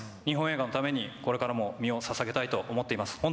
日本映画のために、これからも身をささげたいと思っています。